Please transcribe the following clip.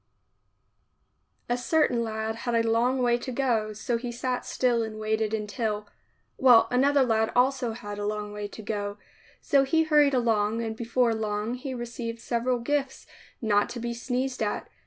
A certain lad had a long way to go, so he sat still and waited until — well, another lad also had a long way to go — so he hurried along and before long he received several gifts not to be sneezed at.